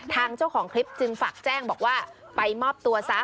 เจ้าของคลิปจึงฝากแจ้งบอกว่าไปมอบตัวซะ